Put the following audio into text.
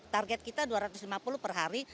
target kita dua ratus lima puluh per hari